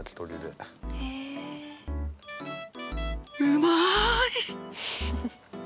うまい！